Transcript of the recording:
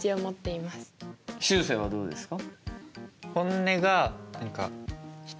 しゅうせいはどうですか？